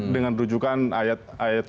dengan rujukan ayat ayat